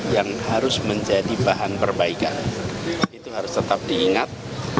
yang harus menjadi bahan perbaikan itu harus tetap diingat